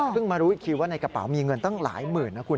มารู้อีกทีว่าในกระเป๋ามีเงินตั้งหลายหมื่นนะคุณ